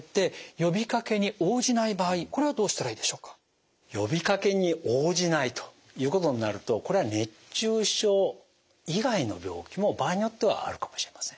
呼びかけに応じないということになるとこれは熱中症以外の病気も場合によってはあるかもしれません。